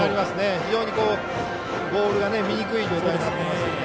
非常にボールが見にくい状態になっていますね。